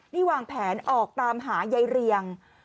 นี่วางแผนออกตามหายายเรียง